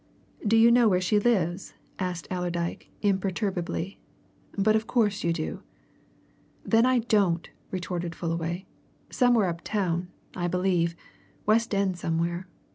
"Do you know where she lives?" asked Allerdyke imperturbably. "But of course you do." "Then I don't!" retorted Fullaway. "Somewhere up town, I believe West End somewhere.